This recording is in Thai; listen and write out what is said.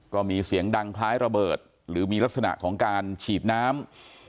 ก็มีเสียงดังคล้ายระเบิดหรือมีลักษณะของการฉีดน้ำ